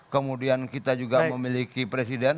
kemudian kita juga memiliki presiden